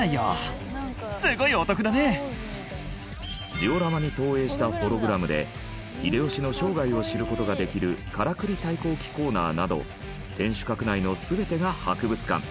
ジオラマに投影したホログラムで秀吉の生涯を知る事ができるからくり太閤記コーナーなど天守閣内の全てが博物館。